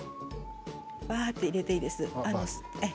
ざばっと入れていいです。